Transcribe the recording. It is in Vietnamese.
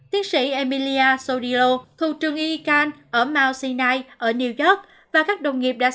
tiến sĩ emilia sodilo thuộc trường yikan ở mount sinai ở new york và các đồng nghiệp